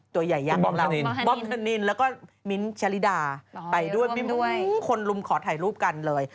ตัวใหญ่ยังครับเราบอมฮานินแล้วก็มิ้นชะฬีดาไปด้วยมิ้นลุ่มขอดถ่ายรูปกันเลย